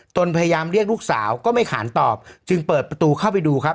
ตนพยายามเรียกลูกสาวก็ไม่ขานตอบจึงเปิดประตูเข้าไปดูครับ